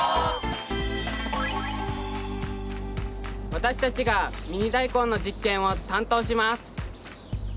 私たちがミニダイコンの実験を担当します。